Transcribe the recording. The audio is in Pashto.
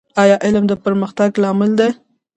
ایا علم د پرمختګ لامل دی؟